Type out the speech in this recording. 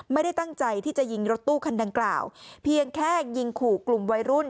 ไม่ได้ตั้งใจที่จะยิงรถตู้คันดังกล่าวเพียงแค่ยิงขู่กลุ่มวัยรุ่น